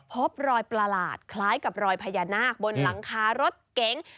พบรอยประหลาดคล้ายกับรอยพญานาคบนหลังคารถเก๋ง